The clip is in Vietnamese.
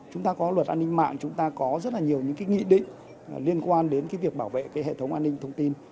chúng ta có luật an ninh mạng chúng ta có rất nhiều nghị định liên quan đến việc bảo vệ hệ thống an ninh thông tin